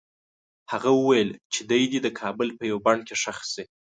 هغه وویل چې دی دې د کابل په یوه بڼ کې ښخ شي.